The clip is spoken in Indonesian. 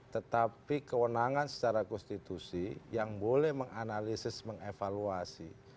tetapi kewenangan secara konstitusi yang boleh menganalisis mengevaluasi